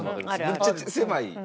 めっちゃ狭い。